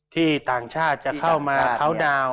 ที่ต่างชาติจะเข้ามาเข้าดาวน์